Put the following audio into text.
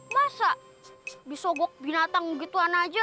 masa disogok binatang gituan aja